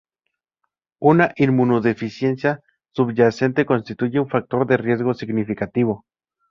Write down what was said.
Una inmunodeficiencia subyacente constituye un factor de riesgo significativo.